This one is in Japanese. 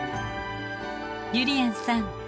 ゆりやんさん